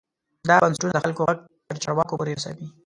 دا بنسټونه د خلکو غږ تر چارواکو پورې رسوي.